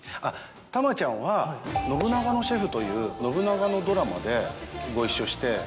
玉ちゃんは『信長のシェフ』という信長のドラマでご一緒して。